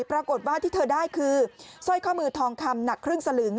ปรากฏว่าที่เธอได้คือสร้อยข้อมือทองคำหนักครึ่งสลึง